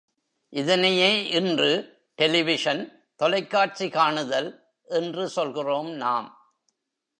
இதனையே இன்று டெலிவிஷன் தொலைக்காட்சி காணுதல் என்று சொல்கிறோம் நாம்.